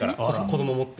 子どもを持って。